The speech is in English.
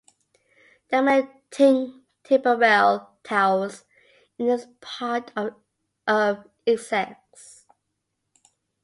There are many timber bell towers in this part of Essex.